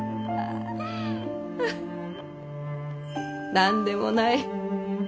何でもない。